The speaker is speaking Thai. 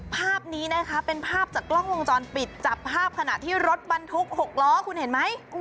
ภาพนี้นะคะเป็นภาพจากกล้องวงจรปิดจับภาพขณะที่รถบรรทุก๖ล้อคุณเห็นไหม